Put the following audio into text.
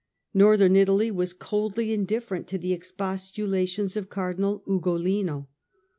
Northern Italy was coldly indifferent to the expostulations of Cardinal Ugolino.